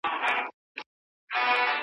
ایا کورني سوداګر انځر ساتي؟